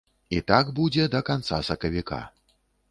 І так будзе да канца сакавіка.